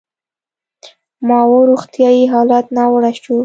د ماوو روغتیايي حالت ناوړه شو.